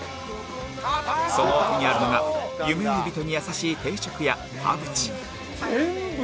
その奥にあるのが夢追い人に優しい定食屋タブチ